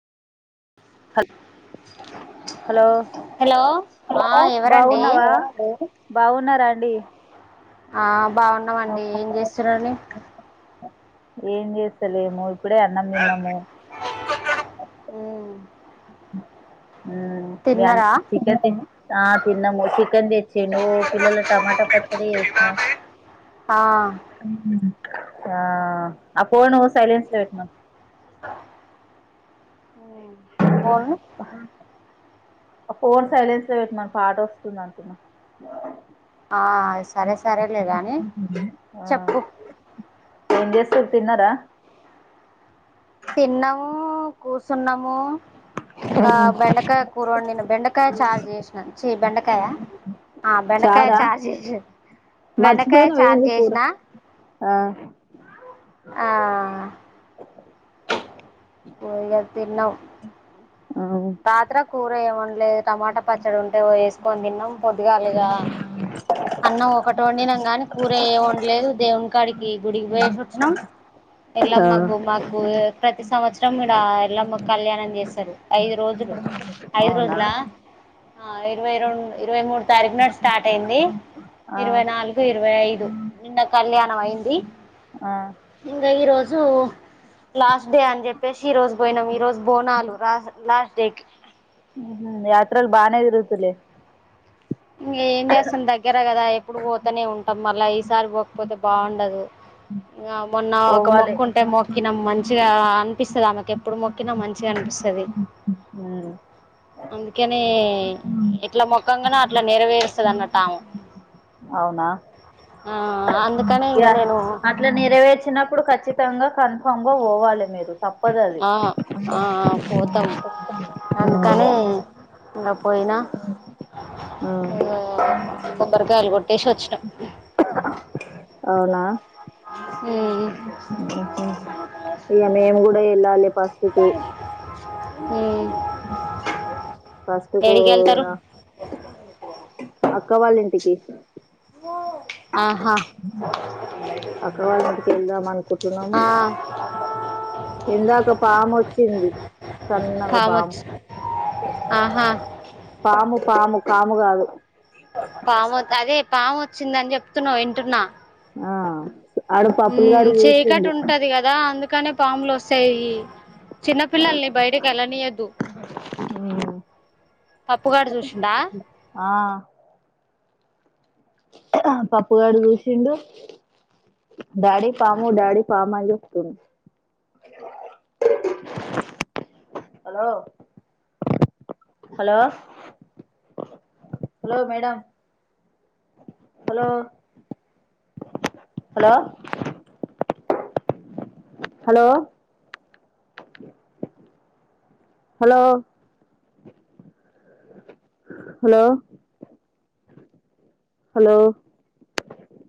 hello hello ఆ ఎవరండి బాగున్నావా బాగున్నారా అండి ఆ బాగున్నామండి ఏం చేస్తునర్రు అండి ఏం చేస్తలేము ఇప్పుడే అన్నం తిన్నాము ఊ [unintelligible] హూ మీ అంద తిన్నరా చికెన్ పే ఆ తిన్నామ్ము చికెన్ తెచ్చిండు పిల్లల టమాటా పచ్చడి చేసిన ఆ ఆ ఆ పోను సైలెన్స్ లో పేటన పోను ఫోన్ సైలెన్స్ లో పెట్టమను పాట వస్తుంది అంటున్నా ఆ సరే సరే లే గాని ఆ చెప్పు ఏం చేస్తుర్రు తిన్నరా తిన్నాము కూసున్నాము ఇంకా బెండకాయ కోరండిన బెండకాయ చారు చేసిన చి బెండకాయ ఆ బెండకాయ చార్ చేసిర్ర్ మర్చిపోయినవేంది కూర ఆ ఆ ఇగ తిన్నం రాత్ర కూర ఏమండలేదు టమాటా పచ్చడి ఉంటేవ వేసుకొని తిన్నాం పొద్దుగాలిగా అన్నం ఒకటి వండినాం గానీ కూర ఏం వండలేదు దేవునికాడికి గుడికి పోయేసి వచ్చినాం ఎల్లమ్మకు మాకు ప్రతి సంవత్సరం ఇడ ఎల్లమ్మకు కళ్యాణం చేస్తారు ఐదు రోజులు ఐదు అవునా రోజులా ఆ ఇరవై రెండు ఇరవై మూడు తారీఖు నాటి స్టార్ట్ అయింది ఆ ఇరవై నాలుగు ఇరవై ఐదు నిన్న కళ్యాణం అయింది ఆ ఇంగా ఈరోజు లాస్ట్ డే అని చెప్పేసి ఈ రోజు పోయినాం ఈ రోజు బోనాలు లాస్ లాస్ట్ డే కి యాత్రలు బానే ఇరుతులే ఇగ ఏం చేస్తాం దగ్గర కదా ఎప్పుడు పోతనే ఉంటాం మళ్ళా ఈసారి పోకపో అ బాగుండదు ఆ మొన్న ఒక పోవాలి మొక్కు ఉంటే మొక్కిన మంచిగా అనిపిస్తది ఆమెకు ఎప్పుడు మొక్కినా మంచిగా అనిపిస్తది ఉమ్ కని ఇట్లా మొక్కంగానే అట్లా నెరవేరుస్తది అన్నట్టుఆమె అవునా ఆ అందుకనేే ఇకా నేను ఇట్లా నెరవేర్చినప్పుడు ఖచ్చితంగా కన్ఫామ్ గా పోవాలి మీరు తప్పదు అది ఆ ఆ పోతాం ఇకా పోయినా ఆ కొబ్బరికాయలు కొట్టేసి వచ్చిన అవునా ఉ వెళ్లాలి ఫస్ట్ కు ఉ ఫస్ట్ కూడా అక్క వాళ్ళ ఇంటికి ఆహా అక్క వాళ్ళ ఇంటికి వెళ్దాం అనుకుంటున్నాము ఆ ఇందాక పాము వచ్చింది సన్నగా పాము ఆహా పాము పాము కాము కాదు పాము అదే పాము వచ్చిందని చెప్తున్నావు వింటున్నా ఆ ఆడు హ్మ్ పప్పులుగాడు చీకటి చూసిండు ఉంటది కదా అందుకనే పాములు వస్తాయి చిన్నపిల్లల్ని బయటకి ఎళ్ళనీయద్దు పప్పుగాడు చూసిండా ఆ పప్పుగాడు చూసిండు డాడీ పాము డాడీ పాము అని చెప్పింది hello hello hello madam hello hello hello hello hello hello